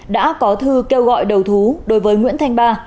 đã có thư kêu gọi đầu thú đối với nguyễn thanh ba